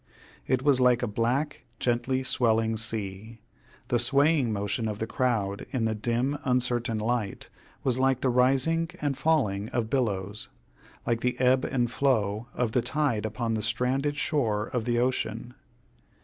It was like a black, gently swelling sea. The swaying motion of the crowd, in the dim uncertain light, was like the rising and falling of billows like the ebb and flow of the tide upon the stranded shore of the ocean.